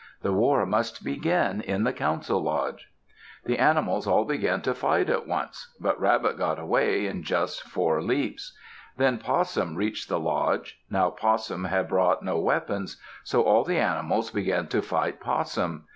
The war must begin in the council lodge. The animals all began to fight at once, but Rabbit got away in just four leaps. Then Possum reached the lodge. Now Possum had brought no weapons. So all the animals began to fight Possum.